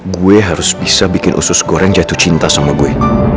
gue harus bisa bikin usus goreng jatuh cinta sama gue ini